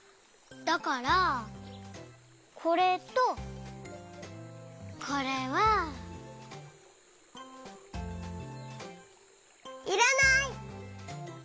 だからこれとこれは。いらない！